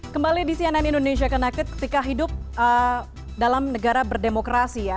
kembali di cnn indonesia connected ketika hidup dalam negara berdemokrasi ya